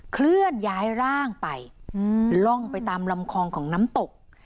เคลื่อนย้ายร่างไปล่องไปตามลำคลองของน้ำตก